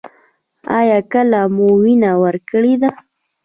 ایا کله مو وینه ورکړې ده؟